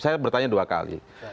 saya bertanya dua kali